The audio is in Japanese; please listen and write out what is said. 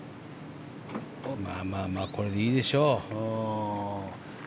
まあまあ、これでいいでしょう。